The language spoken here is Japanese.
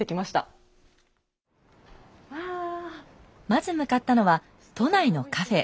まず向かったのは都内のカフェ。